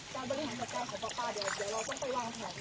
เจ้าบริหารที่สตาร์ทของป้าเดี๋ยวเราต้องไปวางแถว